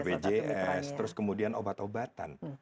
bpjs terus kemudian obat obatan